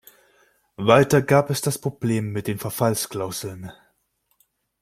Weiter gab es das Problem mit den Verfallsklauseln.